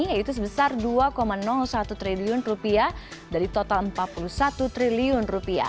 yaitu sebesar dua satu triliun rupiah dari total empat puluh satu triliun rupiah